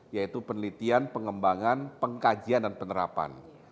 yaitu penelitian pengembangan pengkajian dan penerapan